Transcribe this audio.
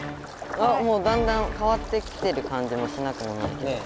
あっもうだんだんかわってきてる感じもしなくもないけど。